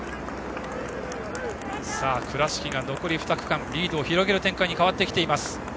倉敷が残り２区間リードを広げる展開になってきています。